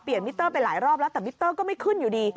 มิเตอร์ไปหลายรอบแล้วแต่มิเตอร์ก็ไม่ขึ้นอยู่ดี